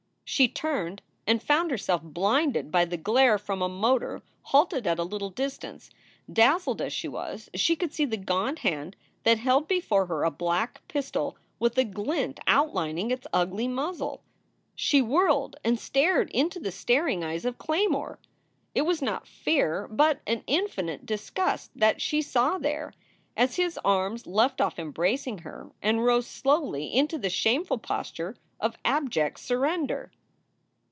She turned and found herself blinded by the glare from a motor halted at a little distance. Dazzled as she was, she could see the gaunt hand that held before her a black pistol with a glint outlining its ugly muzzle. She whirled and stared into the staring eyes of Claymore. It was not fear, but an infinite disgust, that she saw there, as his arms left off embracing her and rose slowly into the shameful posture of abject surrender.